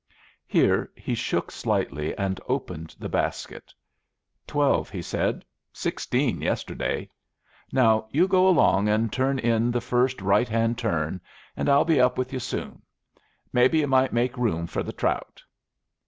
Here he shook slightly and opened the basket. "Twelve," he said. "Sixteen yesterday. Now you go along and turn in the first right hand turn, and I'll be up with you soon. Maybe you might make room for the trout."